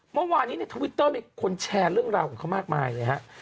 เมื่อวานนี้ในทวิตเตอร์มีคนแชร์เรื่องราวของเขามากมายเลยฮะ